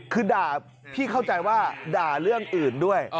คือด่าพี่เข้าใจว่าด่าเรื่องอื่นด้วย